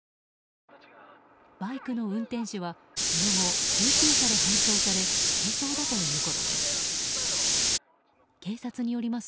バイクの運転手はその後救急車で搬送され軽傷だということです。